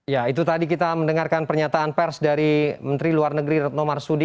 ya itu tadi kita mendengarkan pernyataan pers dari menteri luar negeri retno marsudi